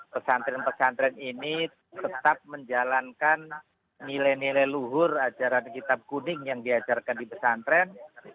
pesantren pesantren ini tetap menjalankan nilai nilai luhur ajaran kitab kuning yang diajarkan di pesantren